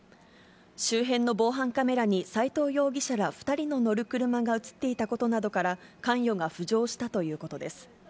周辺の防犯カメラに斎藤容疑者ら２人の乗る車が写っていたことなどから、関与が浮上したということです。